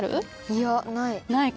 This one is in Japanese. いやない。